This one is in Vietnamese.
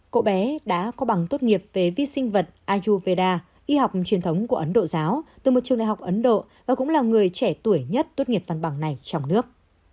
cậu bé đã có bằng tốt nghiệp về vi sinh vật ajuveda y học truyền thống của ấn độ giáo từ một trường đại học ấn độ và cũng là người trẻ tuổi nhất tốt nghiệp văn bằng này trong nước